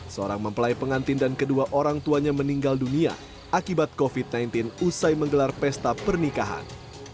seorang mempelai pengantin dan kedua orang tuanya meninggal dunia akibat covid sembilan belas usai menggelar pesta pernikahan